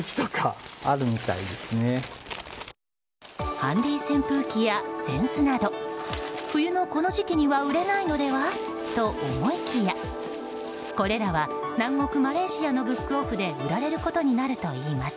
ハンディ扇風機や扇子など冬のこの時期には売れないのではと思いきやこれらは南国マレーシアのブックオフで売られることになるといいます。